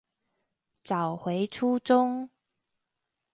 找回初衷